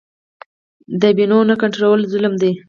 د بیو نه کنټرول ظلم دی.